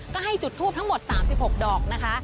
ก็ให้จุดทูปทั้งหมด๓๖ดอกนะคะ